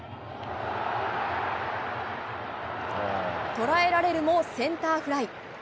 捉えられるもセンターフライ。